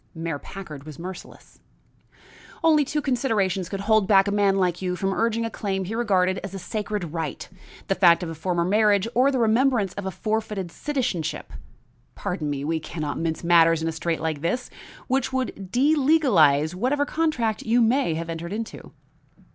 Mayor Packard was merciless. "Only two considerations could hold back a man like you from urging a claim he regarded as a sacred right; the fact of a former marriage or the remembrance of a forfeited citizenship pardon me, we can not mince matters in a strait like this which would delegalize whatever contract you may have entered into."